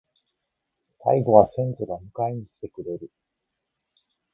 最期には先祖が迎えに来てくれる